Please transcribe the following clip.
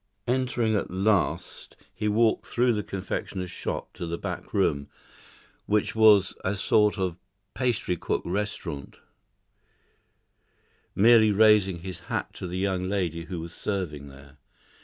Entering at last, he walked through the confectioner's shop to the back room, which was a sort of pastry cook restaurant, merely raising his hat to the young lady who was serving there.